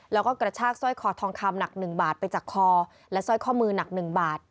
แล้วก็กระชากสร้อยคอทองคำหนัก๑บาทไปจากคอและสร้อยข้อมือหนัก๑บาท